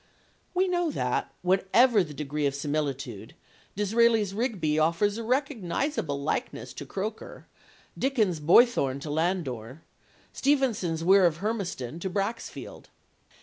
We know that, whatever the degree of similitude, Disraeli's Rigby offers a recognizable likeness to Croker, Dickens's Boythorn to Landor, Stevenson's Weir of Hermiston to Braxfield.